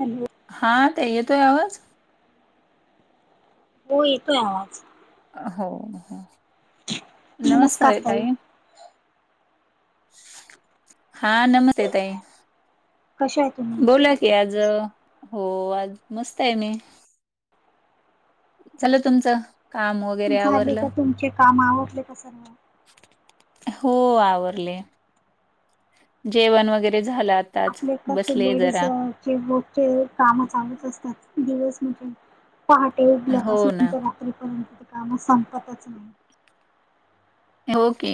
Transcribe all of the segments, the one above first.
Hello हा ताई येतोय आवाज? हो येतोय आवाज हो हो नमस्कार ताई हा नमस्ते ताई कशा आहे तुम्ही? बोला की आज हो आज मस्त आहे मी चल तुमचं काम वगैरे झाले आवरलं? का तुमचे काम आवडले सगळे हो आवरले जेवण वगैरे झालं आता आपले कसे लेडीजचे बक काम चालूच असतात दिवस म्हणजे पहाटे हो उठल्यापासून ना. तर पर्यंत काम संपतच नाही. ओके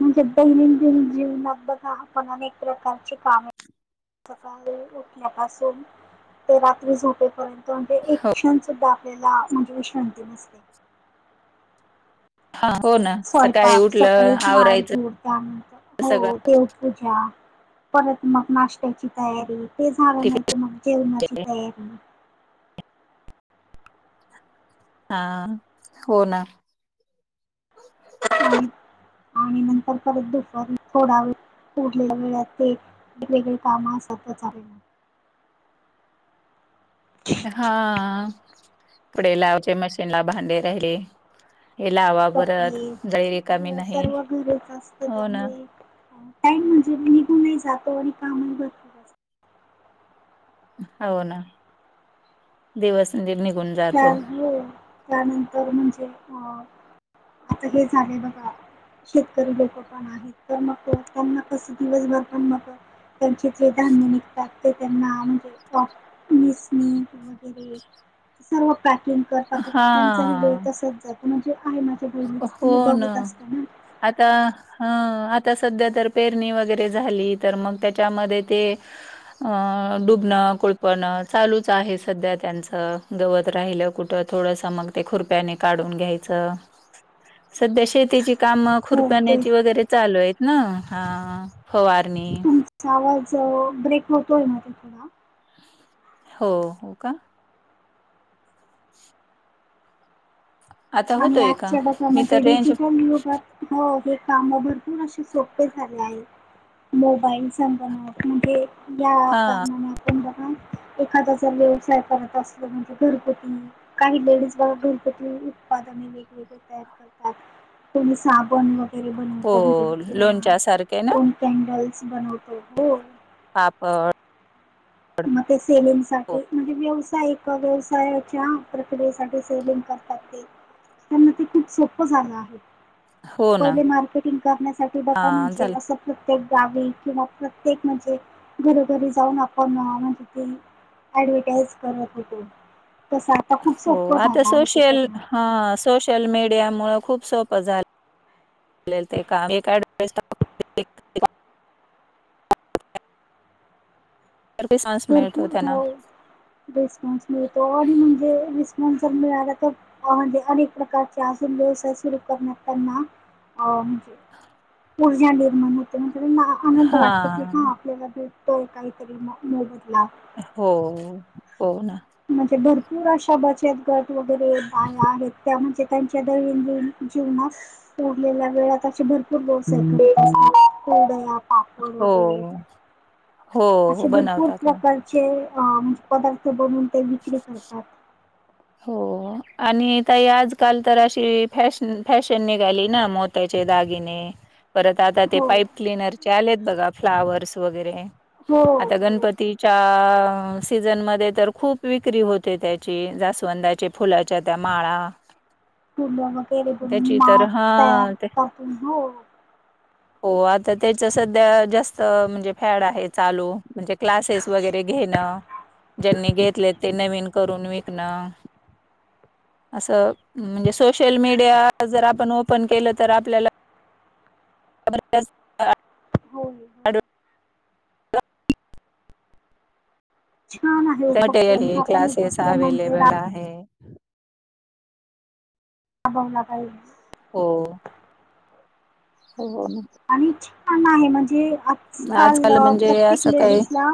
म्हणजे दैनंदिन जीवना बघा पण अनेक प्रकारचे कामे सकाळी उठल्यापासून ते रात्री झोपेपर्यंत म्हणजे एक क्षण सुद्धा आपल्याला म्हणजे विश्रांती नसते. हा हो ना सकाळी स्वयंपाक सकाळी उठलं, झाड आवरायचं झुड दंत सगळं. हो देवपूजा परत मग नाश्त्याची तैयारी ते झालं नाहीत मग जेवणाची तैयारी हा हो ना आणि आणि नंतर परत दुपारी थोडा वेळ उरलेल्या वेळ ते वेगवेगळे काम असतं तर चालेल हा पुढे लावचे मशीनला भांडे रा आहे. हे लावा रिकामी कपडे नाही. सर्व घरच असतं हो ना, त्यामुळे टड म्हणजे मी निघून नाही जातो आणि कामही बो होव ना दिवस निगुण त्या हो त्यानंतर म्हणजे अ आता हे झाले बघा शेतकरी लोक पण आहेत तर मग त्यांना कसं दिवसभर पण मग त्यांचे जे धान्य निघतात ते त्यांना म्हणजे मसनीझ [unintelligible] सर्व पॅकिंग करता करता हा त्यांचाही वेळ तसंच जातो म्हणजे आहे. बघत असत ना आता हा आता सध्या तर पेरणी वगैरे झाली तर मग त्याच्यामध्ये ते अ डुबणं कुळपणं चालूच आहे सध्या त्यांचं गवत राहिलं कुठं थोडंस मग ते खुरप्याने काढून घ्यायचं. सध्या शेतीची काम हो तेच खुरपण्याची तर वगैरे चालू आहेत ना हा फवारणी तुमचा आवाज ब्रेक होतोय मध्ये थोडा हो होका [unintelligible] [unintelligible] आणि का आजच्या मी तर जगामध्ये रेंज डिजिटल यूजर हो हे काम भरपूर असे सोपे झाले आहे मोबाईल संगणक म्हणजे या हा कार बघा एखादा जर व्यवसाय करत असल म्हणजे घरगुती काही लेडीज बघ भित उत्पादने वेगवेगळे तयार करतात त्यां साबण व वगैरे बनवत हो घरी किंवा लोणच्या सारखे ना कोण कॅन्डल्स बनवतो हो पापड. मग ते सेलिंग साठी म्हणजे व्यवसायिक व्यवसायाच्या प्रक्रियेसाठी सेलिंग करतात ते त्यांना ते खूप सोपं झालं आहे हो ना. पहिले मार्केटिंग करण्यासाठी बघा हां म्हणजे झालं. असं प्रत्येक गावी किंवा प्रत्येक म्हणजे घरोघरी जाऊन आप म्हणजे ते ऍडव्हटाइज करत होतो. तसं आता खूप सोपं झाला आहे ते करण्यात. हा सोशल मीडिया मु खूप सोपं झालं ते का पे चान्स मिळतो भरपूर त्यांना हो रिस्पॉन्स मिळतो आणि म्हणजे तर मिळाला तर अनेक प्रकारचेून व्यवसाय सुरू करण्यात त्यांना हो ऊर्जा निर्माण होते आणि त्यांना आनंद वाटतो की हा हां. आपल्याला भेटतोय काहीतरी मोबदला. हो हो होना म्हणजे भरपूर अशा बचत गट वगैरे आहेत त्या म्हणजे त्यांच्या दैनंदिन जीवनात डलेल्या वेळात अशी भरपूर बोस आहेतड हो हो बनवतात ना चे पदार्थ बनवून ते विक्री करतात हो आणि तई आजकाल तर अशी फॅशन फॅशन निघाली ना म त्याचे दागिने परत आता ते हो. पाईप क्लनरचे आलेत बघा फ्लावर्स वगैरे हो आता हो गणपती सीझन म तर खूप विक्री होते त्या जास्वंदाच्या फुलाच्या त्या माळा फुलं वगैरे बणून त्याची तर माळ तयार हां ते करतो हो हो आता त्याच सध्या जास्त म्हणजे फॅड आहे चालू म्हणजे क्लासेस वगैरे घेणं ज्यांनी घेतले ते नवीन करून विकणं असं म्हणजे सोशल मीडिया जर आपण ओपन केलं तर आपल्याला जबरदस् हो ह छान आहे उपक्रम मटेरियल हा पण क्लासेस उपक्रम म्हणजे अवेलेबल आहे हो ना हाय हो हो आणि छान आहे म्हणजे आजकाल म्हणजे प्रत्येक असं काही लेडीजला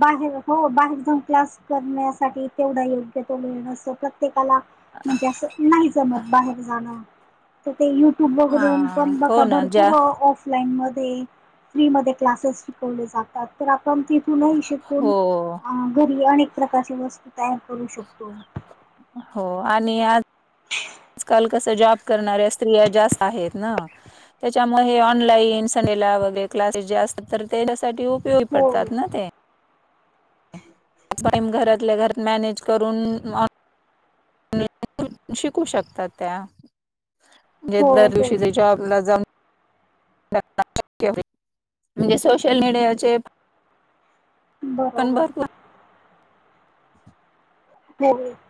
बाहेर हो बाहेर जाऊन क्लास करण्यासाठी तेवढा योग्य तो न प्रत प्रत्येकाला म्हणजे अस नाही जमत बाहेर जाणं तु बघर हां ब हो का ना बर ज्या ऑफलाइन मध्ये फ्री म क्लासेस शिकवले जातात आपण तुलाही शिकून हो अ घरी अनेक प्रकारची वस्तू तयार करू शकतो हो आणि आज ह. आजकाल कस जॉब करणाऱ्या स्त्रिया जास्त आहेत ना त्याच्या मग हे ऑनलाईन सनेला वगैरे क्लासेस जास्तात तर त्याच्यासाठी उपयोगी पडतात ना ते. हम् टम घरातल्या घरात मॅनेज करून. शिक शकतात त्या म्हणे हो दर हो दिव जॉब जाऊ. म्हणजे सोशल मीडियाचे. पण बरोबर. भरपूर ह्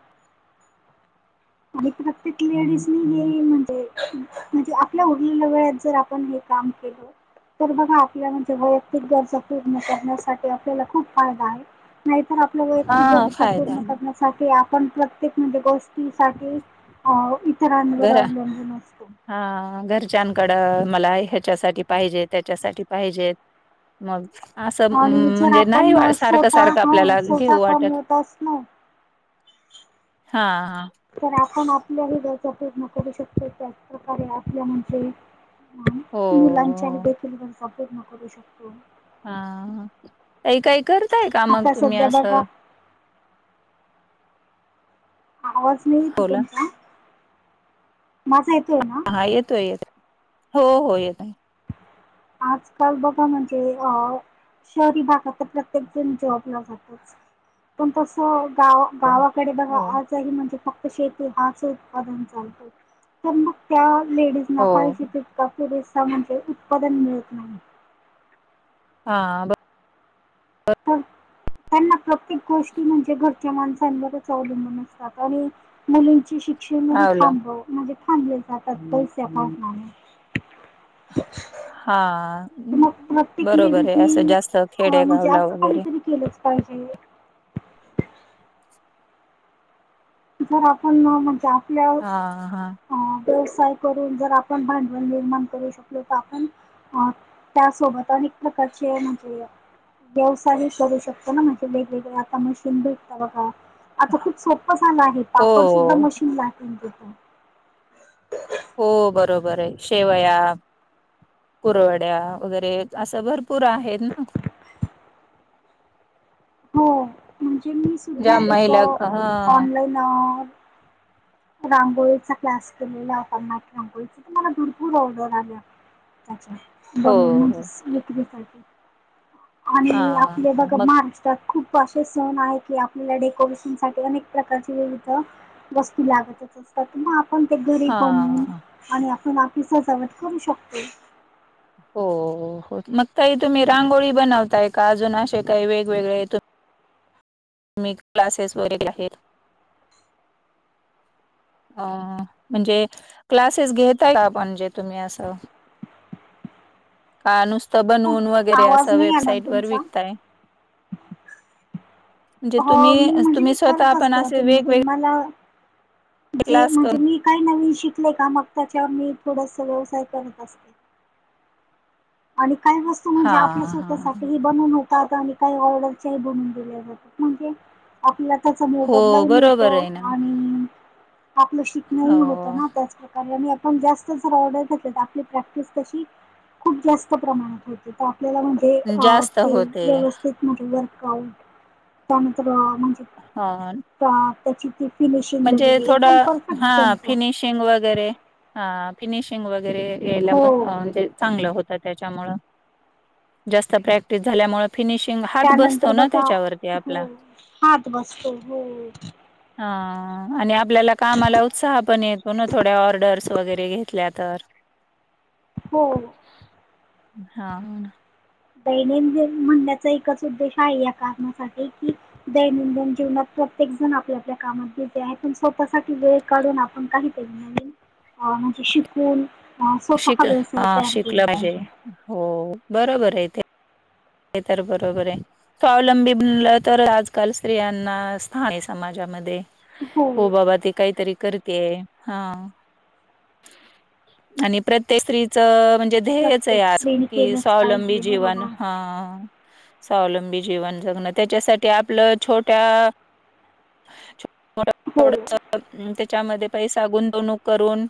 आणि प्रत्येक लेडीजनी हे म्हणजेण. आपल्या उरलेल्या वेळत जर आपण हे काम केलं. तर बघा आपल्या म्हणजे वैयक्तिक गरजा पूर्ण करण्यासाठी आपल्याला खूप फायदा आहे. नाहीतर आपल्या वैयक्तिक हा गरजा फायदा पूर्ण करण्यासाठी आपण प्रत्येकमध्ये गोष्ट. सा इतरांवर घरा अवलंबून असतो. हा घरच्यांकडं मला ह्याच्यासाठी पाहिजे त्याच्यासाठी पाहिजेत. मग असं आणि जर म्हणजे नाही आपण अ, सारखं स्वतः सारखं हा आपल्याला स्वतः घेऊ वाटत. कमवत असलो हा ह. तर आपण आपल्याही गरजा पूर्ण करू शकतो त्याचपकारे आपल्या म्हणजे. हो. त लंच आहे हो बील नको देको. हा काही काही करताय का मग आता तुम्ही सध्या बघा असं आवाज नाही येते बोला तुमचा माझा येतोय ना. हा येतो येत हो हो येत नाही आहे. आजकाल बघा म्हणजे अ शहरी भागात तर प्रत्येक जण जॉबला जातातच. पण तस गाव हो गावाकडे बघा हो आ ण श चा त्या हो पाहिज तका पुरे सा म्ह उत्पादन मिळत नाही हा तर त्यांना प्रत्येक गोष्टी म्हणजे घरच्या माणसांवरच अवलंबून असत. मुलींचे शिक्षण ह आवलं थांबव. म्हणजे थांबले जातात पैसे अकाउंटने. हा. मग प्रत्येक बरोबर आहे लेडीजी असं जास्त म्हणजे खेडेगावला असं वगैरे काहीतरी केलंच पाहजे. जर आपण म्हणजे आपल्या हा हा अ व्यवसाय करून जर आपण भांडवल निर्माण करू शकलो तर आपण. अ त्यासोबत अनेक प्रकारचे म्हणजे. व्यवसाय करू शकतो ना माझे ेगकडे आता मशीन भेटत बघा. आता खूप सोप्पं झालं आहे हो पापड सुद्धा मशीनला हटून देतो. हो बरोबर आहे शेवया. कुरवड्या वगैरे असं भरपूर आहेत ना. हो म्हणजे मी ज महिला हा ना रांगोळीचा क्लास केलेला कर्नाट रांगोळीचा तर मला भरपूर ऑर्डर आल्या. ब हो हो म्हणजे व्रीसाठी हा आणि आपले हा बघा मग महाराष्ट्रात खूप असे सण आहे की आपल्याला डेकोरेशन साठी अनेक प्रकारचीथ वस्ती लागत ना आपण ते घरी बनून हा आणि आपण आपली सजावट करू शकतो हो हो मग काही तुम्ही रांगोळी बनवताय का अजून असे काही वेगवेगळे मी क्लासेस वगैर आहे अ म्हणजे क्लासेस घेता का म्हणजे तुम्ही असं का नुसतं बनवून वगैरे आवाज असं नाही आला ना वेबसाईट वर तुमचा विकतय हो तुम्ही म्हणजे तुम्ही मी स्वतः करत पण असते असे तुमधून वेगवेगळे मला जे क्लास कर म्हणजे मी काही नवीन शिकले का मग त्याच्यावर मी थोडस व्यवसाय करत असते आणि काही वस्तू म्हणजे हा आपल्या हा स् ह ते बनून होताात आणि काही ऑर्डरच्या बनवून दिल्या जातात म्हणजे आपल्याला त्याचा हो मोबदलाही बरोबर मिळतो आहे ना आणि आपलं शिक नाही होत हो ना त्याच आप र्डर घ तर आपली प्रॅक्टिस त खप जा आपल्याला म्हणजे जास्त होते व्यवित म्हणजे वर्कआउट त्यानंतर म्हणजे हा त्याची ती फिनिशिंग वगैरे एकदम परफेक्ट जमत ि वगैरे ह फिनिशिंग वगैरे हो चांग होत त्याच्यामु जास्त प्रॅक्टिस झाल्यामुळे फिनिशिंग हात त्यानंतर बसतो ना बघा त्याच्यावरती आपला हो हात बसतो हो हा हं आणि आपल्याला कामाला उत्साह पण येतो ना थोड्या ऑर्डर्स वगैरे घेतल्या तर. हो. हा. दैनंदि म्हणण्याचा एकच उद्देश आहे या कारणासाठी कि दैनंदिन जीवनात प्रत्येक जण आपल्या आपल्या कामात बिझी आहे पण स्वतःसाठी वेळ काढून आपण काहीतरी म्हणजे शिकून स्वतः शिक चा व्यवसाय हां तयार शिकलं केला पाहिजे. हो बरोबर आहे ते. ते तर बरोबर आहे. स्वावलंबी बनलं तर आजकाल स्त्रियांना स्थानिक समाजामध्ये हो बाबा ते काहीतरी कर ते हा आणि प्रत्येक स्त्रीचं म्हणजे ध्येयच आहे प्रत्येक आज स्त्रीने कि केलंच स्वावलंबी पाहिजे जीवन बरोबर ह ह स्वावलंबी जीवन जगण त्याच्यासाठी आपलं छोट्या ह थड त्याच्यामध्ये पैसा गुंतवणूक करून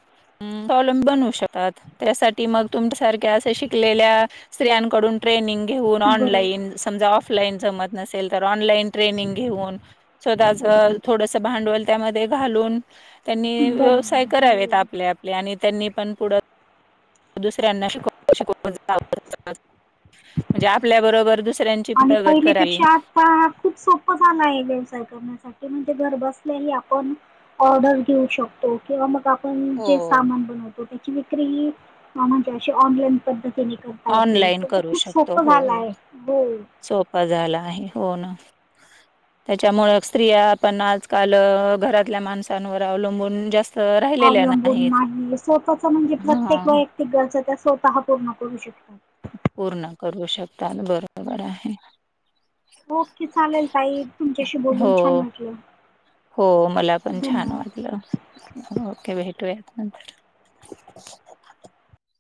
कॉलंम बनवू शकतात त्यासाठी मग तुमच्यासारख्या अशा शिकलेल्या स्त्रियांकडून ट्रेनिंग घेऊन बरोबर ऑनलाईन समजा ऑफ फलाईन जमत नसेल तर ऑनलाईन ट्रेनिंग घेऊन स्वतःच थोडस भांडवल त्यामध्ये घालून त्यांनी व्यवसाय बरोबर हो करावेत आपले आपले आणि त्यांनी पण पुढं दुसऱ्यांना [unintelligible] म्हणजे आपल्या बरोबर दुस सऱ्यांची प्रगती कराल. ता खूप सोप झाला आहे व्यवसाय करण्यासाठी म्हणजे घर बसल्याही आपण ऑर्डर घेऊ शकतो. किंवा मग आपण जे हो. सामान बनवतो त्याची विक्री ही म्हणजे अशी ऑनलाईन पद्ध तिनी खुप हाय ते ऑनलाईन तर करू खूप शकतो सोपं हो झालाय हो. सोपा झाला आहे, हो ना. त्याच्यामुळे स्त्रिया आपण आजकाल घरातल्या माणसांवर अवलंबून जास् अवलंबून नाही स्वतःच म्हणजे प्रत्येक हां वैयक्तिक गरजा त्या स्वतः पूर्ण करू शकतात. पूर्ण करू शकतात बरोबर आहे. ओके चालेल ताई तुमच्याशी बोलून हो. छान वाटलं, धन्यवाद. यां, ओके भेटूयातं नंतर.